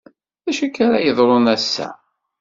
D acu ara yeḍrun ass-a?